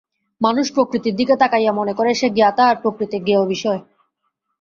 মানুষ প্রকৃতির দিকে তাকাইয়া মনে করে, সে জ্ঞাতা আর প্রকৃতি জ্ঞেয় বিষয়।